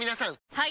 はい！